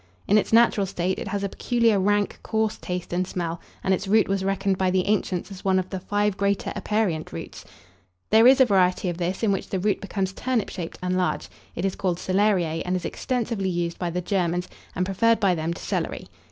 In its natural state, it has a peculiar rank, coarse taste and smell, and its root was reckoned by the ancients as one of the "five greater aperient roots." There is a variety of this in which the root becomes turnip shaped and large. It is called Celeriae, and is extensively used by the Germans, and preferred by them to celery.